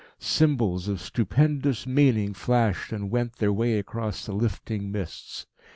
Symbols of stupendous meaning flashed and went their way across the lifting mists.